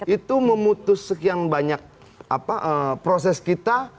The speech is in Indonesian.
itu memutus sekian banyak proses kita